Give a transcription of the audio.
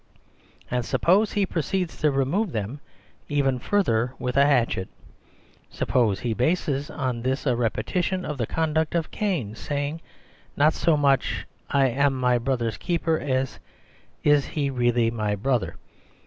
And suppose he proceeds to remove them even further with a hatchet; suppose he bases on this a repetition of the conduct of Cain, saying not so much "Am I my brother's keeper?" as "Is he really my brother?"